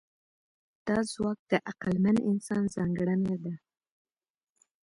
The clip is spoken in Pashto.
دا ځواک د عقلمن انسان ځانګړنه ده.